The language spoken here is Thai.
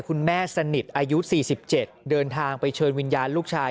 คุณแม่สนิทอายุ๔๗เดินทางไปเชิญวิญญาณลูกชาย